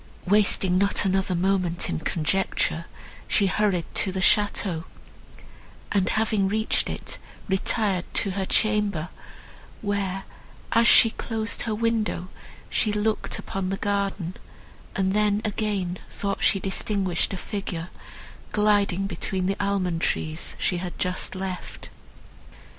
Wasting not another moment in conjecture, she hurried to the château, and, having reached it, retired to her chamber, where, as she closed her window she looked upon the garden, and then again thought she distinguished a figure, gliding between the almond trees she had just left.